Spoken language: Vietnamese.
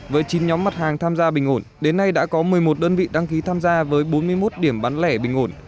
với chín nhóm mặt hàng tham gia bình ổn đến nay đã có một mươi một đơn vị đăng ký tham gia với bốn mươi một điểm bán lẻ bình ổn